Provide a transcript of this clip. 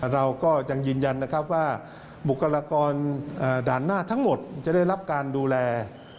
เราก็ยังยืนยันนะครับว่าบุคลากรด่านหน้าทั้งหมดจะได้รับการดูแล